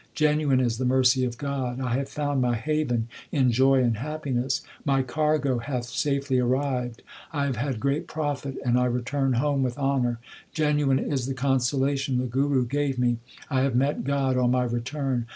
Genuine is the mercy of God ; I have found my haven in joy and happiness. My cargo hath safely arrived; I have had great profit, and I return home with honour. Genuine is the consolation the Guru gave me ; I have met God on my return.